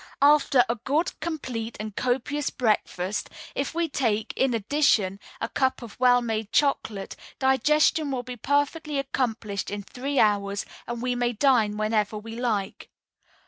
"After a good, complete, and copious breakfast, if we take, in addition, a cup of well made chocolate, digestion will be perfectly accomplished in three hours, and we may dine whenever we like.